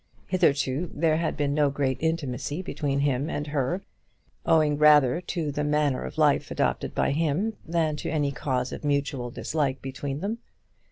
Hitherto there had been no great intimacy between him and her, owing rather to the manner of life adopted by him than to any cause of mutual dislike between them.